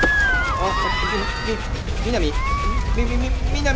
あっ。